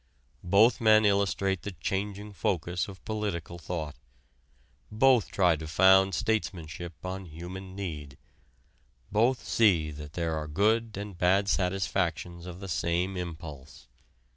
Both men illustrate the changing focus of political thought. Both try to found statesmanship on human need. Both see that there are good and bad satisfactions of the same impulse.